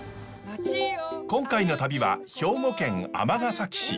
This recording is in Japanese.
今回の旅は兵庫県尼崎市。